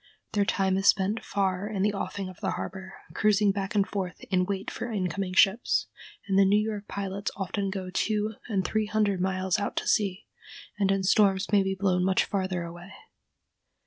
Their time is spent far in the offing of the harbor, cruising back and forth in wait for incoming ships, and the New York pilots often go two and three hundred miles out to sea, and in storms may be blown much farther away.